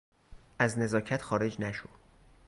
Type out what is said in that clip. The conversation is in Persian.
از نزاکت خارج نشو!